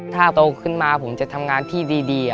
ถ้าโตขึ้นมาผมจะทำงานที่ดี